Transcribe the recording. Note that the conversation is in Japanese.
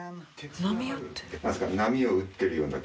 「波を打ってるような」